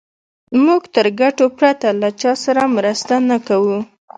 موږ تر ګټو پرته له چا سره مرسته نه کوو.